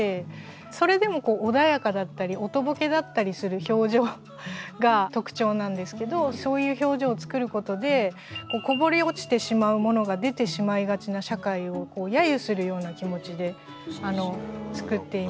それでも穏やかだったりおとぼけだったりする表情が特徴なんですけどそういう表情を作ることでこぼれ落ちてしまうものが出てしまいがちな社会を揶揄するような気持ちで作っています。